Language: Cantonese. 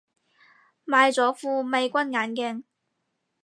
買咗副美軍眼鏡